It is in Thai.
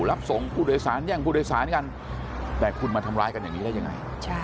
รับส่งผู้โดยสารแย่งผู้โดยสารกันแต่คุณมาทำร้ายกันอย่างนี้ได้ยังไง